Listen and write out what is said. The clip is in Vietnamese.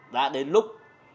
đã đến lúc